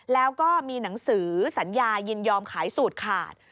แล้วก็มีหนังสือสัญญายินยอมขายสูตรขาด